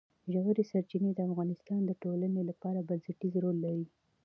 ژورې سرچینې د افغانستان د ټولنې لپاره بنسټيز رول لري.